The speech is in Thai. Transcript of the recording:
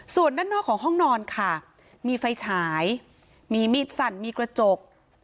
ส่วนด้านนอกของห้องนอนค่ะมีไฟฉายมีมีดสั่นมีกระจก